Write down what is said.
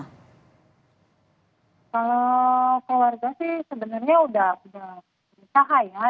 kalau keluarga sih sebenarnya udah berusaha ya